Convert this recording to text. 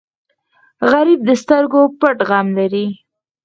غریب د سترګو پټ غم لري